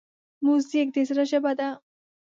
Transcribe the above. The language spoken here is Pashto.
موزیک د زړه ژبه ده.